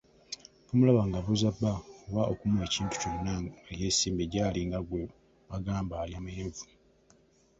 N'omulaba ng'abuuza bba oba okumuwa ekintu kyonna nga yeesimbye jjaali nga gwe bagamba alya amenvu.